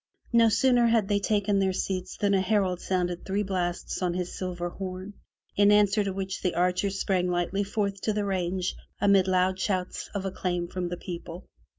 No sooner had they taken their seats than a herald sounded three blasts on his silver horn, in answer to which the archers sprang lightly forth to the range mid loud shouts of acclaim from the people.